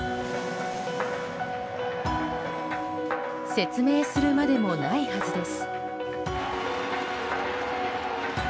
説明するまでもないはずです。